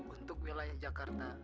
untuk wilayah jakarta